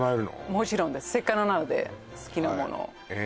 もちろんですせっかくなので好きなものをえ